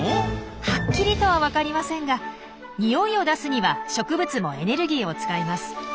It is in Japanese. はっきりとはわかりませんが匂いを出すには植物もエネルギーを使います。